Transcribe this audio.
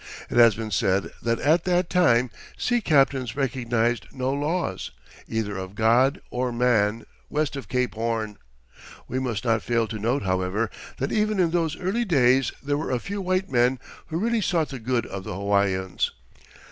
It has been said that at that time sea captains recognized no laws, either of God or man, west of Cape Horn. We must not fail to note, however, that even in those early days there were a few white men who really sought the good of the Hawaiians.